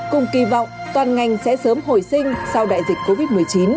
cùng kỳ vọng toàn ngành sẽ sớm hồi sinh sau đại dịch covid một mươi chín